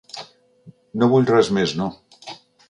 No vull res mes no.